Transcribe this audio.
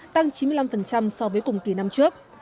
tăng chín mươi năm so với cùng kỳ năm trước